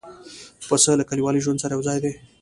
پسه له کلیوالي ژوند سره یو ځای دی.